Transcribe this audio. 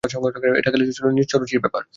এটা খালি নিজস্ব রুচির ব্যাপার।